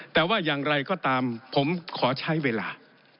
แต่ว่าอย่างไรก็ตามผมขอใช้เวลา